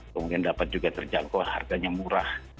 kemudian dapat juga terjangkau harganya murah